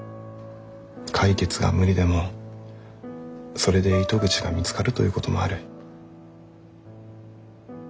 解決が無理でもそれで糸口が見つかるということもある。